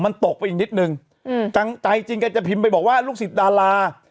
มันตกไปอีกนิดนึงใจจริงแกจะพิมพ์ไปบอกว่าลูกศิษย์ดารา